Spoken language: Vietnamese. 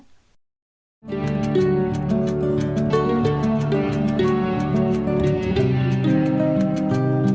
hãy đăng ký kênh để ủng hộ kênh của mình nhé